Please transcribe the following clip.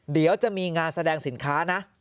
เดี๋ยวจะมีงานแสดงสินค้านะ